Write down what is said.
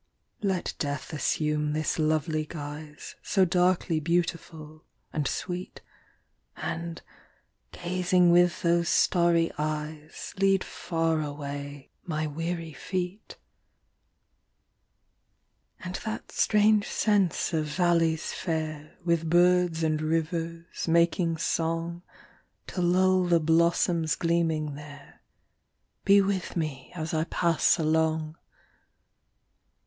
Let Death assume this lovely guise, So darkly beautiful and sweet, And, gazing with those starry eyes, Lead far away my weary feet. SHE COMES AS SUMMER NIGHT 55 IV And that strange sense of valleys fair With birds and rivers making song To lull the blossoms gleaming there, Be with me as I pass along.